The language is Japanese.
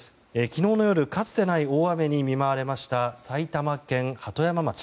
昨日の夜かつてない大雨に見舞われました埼玉県鳩山町。